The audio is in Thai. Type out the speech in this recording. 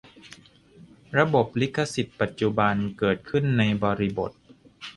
ระบบลิขสิทธิ์ปัจจุบันเกิดขึ้นในบริบท